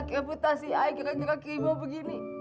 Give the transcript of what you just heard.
gak usah reputasi ayah gara gara krimo begini